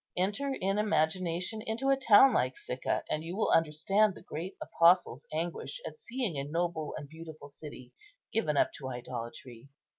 Enter in imagination into a town like Sicca, and you will understand the great Apostle's anguish at seeing a noble and beautiful city given up to idolatry.